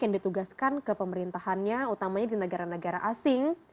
yang ditugaskan ke pemerintahannya utamanya di negara negara asing